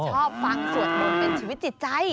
ชอบฟังสวดมนต์เป็นชีวิตจิตใจ